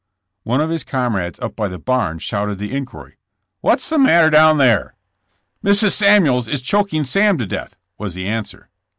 One of his comrades up by the barn shouted the inquiry : '''What's the matter down there?" "Mrs. Samuels is choking Sam to death," was the answer.